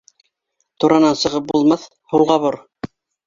Туранан сығып булмаҫ, һулға бор.